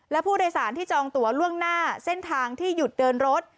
และผู้โดยสารที่จองตัวล่วงหน้าเส้นทางที่หยุดเดินรถ